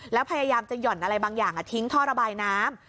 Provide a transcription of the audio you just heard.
แล้วพยายามจะหย่อนอะไรบางอย่างทิ้งท่อระบายน้ำ